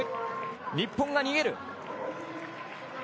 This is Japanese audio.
日本が逃げる。